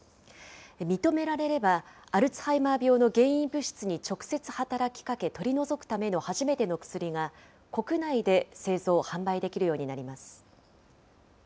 認められれば、アルツハイマー病の原因物質に直接働きかけ取り除くための初めての薬が、国内で製造・販売できるようになります。